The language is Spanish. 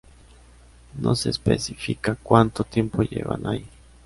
No se especifica cuánto tiempo llevaban allí.